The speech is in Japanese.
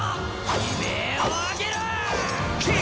悲鳴を上げろーっ！